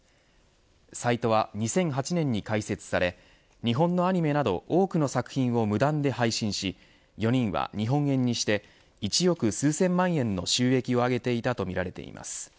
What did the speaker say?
サイトは２００８年に開設され日本のアニメなど多くの作品を無断で配信し４人は、日本円にして１億数千万円の収益を上げていたと見られています。